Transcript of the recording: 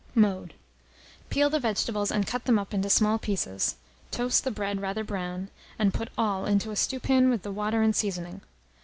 Mode. Peel the vegetables, and cut them up into small pieces; toast the bread rather brown, and put all into a stewpan with the water and seasoning.